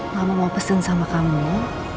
kamu mau pesen sama kamu